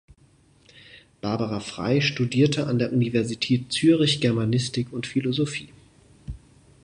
Barbara Frey studierte an der Universität Zürich Germanistik und Philosophie.